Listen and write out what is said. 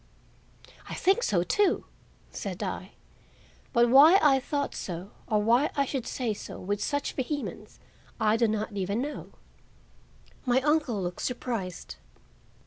"I think so, too," said I. But why I thought so or why I should say so with such vehemence, I do not know even now. My uncle looked surprised.